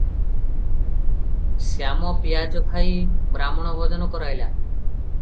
ଶ୍ୟାମ ପିଆଜ ଖାଇ ବାହ୍ମଣ ଭୋଜନ କରାଇଲା